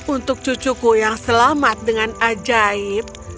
untuk cucuku yang selamat dengan ajaib